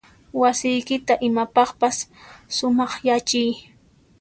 Wasiykita imapaqpas sumaqyachiy.